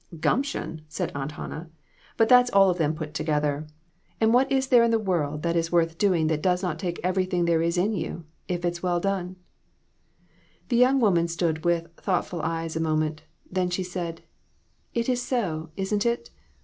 " Gumption ?" said Aunt Hannah; "but that's I/O LESSONS. all of them put together, and what is there in the world that is worth doing that does not take everything there is in you, if it's well done ?" The young woman stood with thoughtful eyes a moment, then she said "It is so, isn't it?